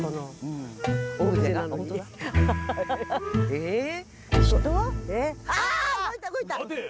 えっ？